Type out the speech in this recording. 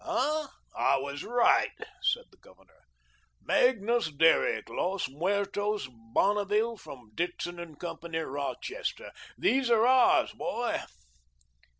"Ah, I was right," said the Governor. "'Magnus Derrick, Los Muertos, Bonneville, from Ditson & Co., Rochester.' These are ours, boy."